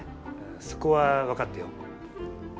そこは分かってよ。